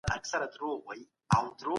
د ميرمني عوائد او ګټه څنګه ويشل کيږي؟.